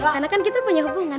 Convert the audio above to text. karena kan kita punya hubungan